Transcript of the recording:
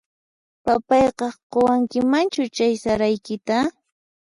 Papayqaq quwankimanchu chay saraykita?